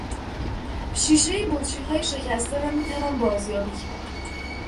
شیشهی بطریهای شکسته را میتوان بازیابی کرد.